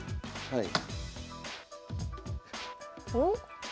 はい。